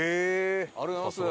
ありがとうございます。